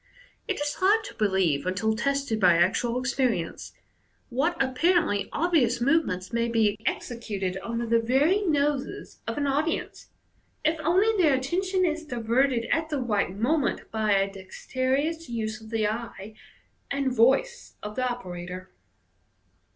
It is hard to believe, until tested by actual experience, what apparently obvious movements may be executed under the very noses of an audience, if only their attention is diverted at the right moment by a dexterous use of the eye and voice of the operator.